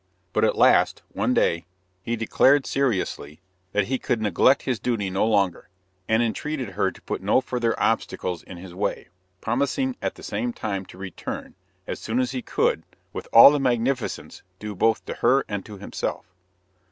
But at last, one day, he declared seriously that he could neglect his duty no longer, and entreated her to put no further obstacles in his way, promising at the same time to return, as soon as he could, with all the magnificence due both to her and to himself.